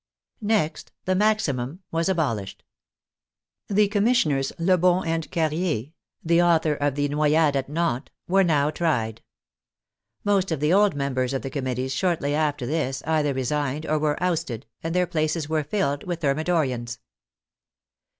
Next, the maximum was abolished. The commis sioners Lebon and Carrier (the author of the noyades at Nantes) were now tried. Most of the old members of the Committees shortly after this either resigned or were ousted, and their places were filled with Thermidorians.